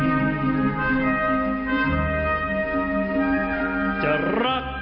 ไม่ได้ชีวภาษาสิ้นไป